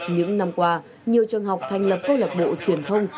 những năm qua nhiều trường học thành lập cô lập bộ truyền thông